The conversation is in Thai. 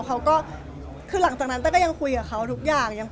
เขาก็คือหลังจากนั้นเต้ก็ยังคุยกับเขาทุกอย่าง